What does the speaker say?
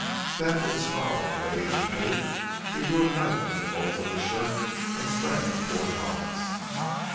Then with a snarl of rage and hate he drew a knife from the folds of his shirt and sprang toward Hollis.